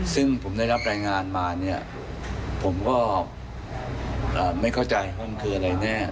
ซึ่งผมได้รับรายงานมาเนี่ยผมก็ไม่เข้าใจว่ามันคืออะไรแน่